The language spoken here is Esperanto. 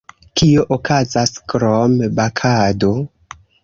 Kio okazas krom bakado?